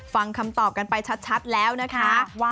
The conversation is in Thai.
ฟังคำตอบกันไปชัดแล้วนะคะ